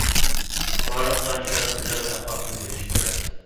بارلىق شان- شەرەپ گۈزەل ئەخلاقتىن كېلىشى كېرەك.